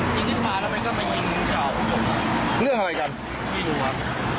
คนยิงเขาใส่ชุดสิระดับอย่างนี้แล้วก็มีกระเป๋าข้าวหลัง